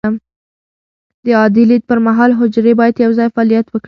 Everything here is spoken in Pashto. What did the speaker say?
د عادي لید پر مهال، حجرې باید یوځای فعالیت وکړي.